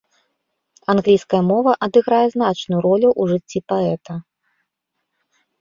Англійская мова адыграе значную ролю ў жыцці паэта.